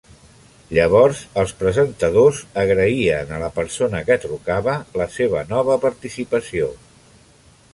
Llavors, els presentadors agraïen a la persona que trucava la seva nova participació.